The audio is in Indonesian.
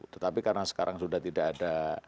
tetapi karena sekarang sudah tidak ada